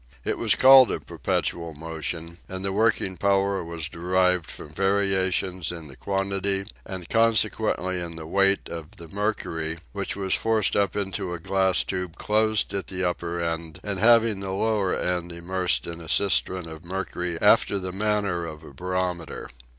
It was called a perpetual motion, and the working power was derived from variations in the quantity, and consequently in the weight of the mercury, which was forced up into a glass tube closed at the upper end and having the lower end immersed in a cistern of mercury after the manner of a barometer.